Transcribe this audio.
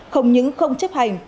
không những không chấp hành